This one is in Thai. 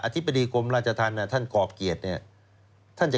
อธิบดีกรมราชธรรมท่านกรอบเกียจ